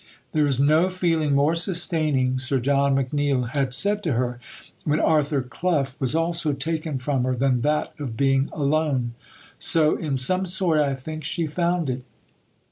"There is no feeling more sustaining," Sir John McNeill had said to her, when Arthur Clough was also taken from her, "than that of being alone." So, in some sort, I think, she found it.